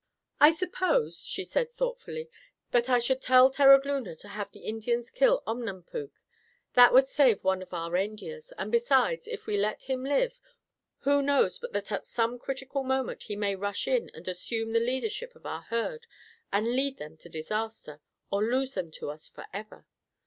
"I suppose," she said thoughtfully, "that I should tell Terogloona to have the Indians kill Omnap puk. That would save one of our reindeers, and besides, if we let him live, who knows but that at some critical moment he may rush in and assume the leadership of our herd and lead them to disaster, or lose them to us forever.